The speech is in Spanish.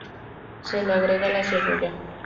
Se le agrega la cebolla.